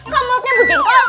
kok mulutnya bujang